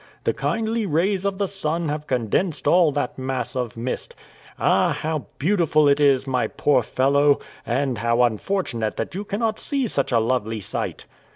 The kindly rays of the sun have condensed all that mass of mist. Ah! how beautiful it is, my poor fellow, and how unfortunate that you cannot see such a lovely sight!"